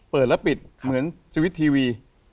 เปิดแล้วปิดเหมือนสวิตช์ทีวี